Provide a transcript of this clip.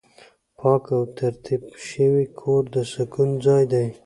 پاک او ترتیب شوی کور د سکون ځای دی.